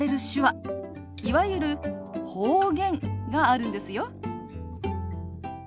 いわゆる方言があるんですよ。